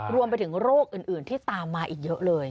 รวมไปถึงโรคอื่นที่ตามมาอีกเยอะเลย